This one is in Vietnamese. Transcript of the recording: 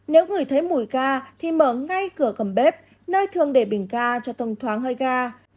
nếu người thấy mùi ga thì mở ngay cửa cầm bếp nơi thường để bình ga cho thông thoáng hơi ga